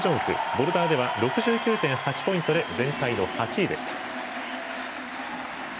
ボルダーでは６９．８ポイントで全体の８位でした。